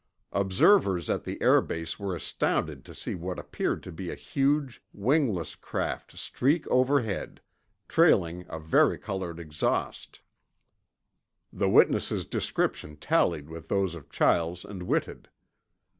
Observers at the air base were astounded to see what appeared to be a huge, wingless craft streak overhead, trailing a varicolored exhaust. (The witnesses' description tallied with those of Chiles and Whitted.)